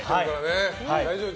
大丈夫？